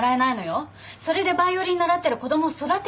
それでバイオリン習ってる子供を育てられると思うの？